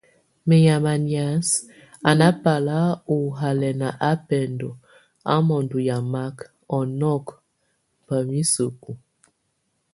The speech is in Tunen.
Menyama nias, a nábal óhalɛn á bɛndo á mondo yamak, ɔnɔk bá miseku.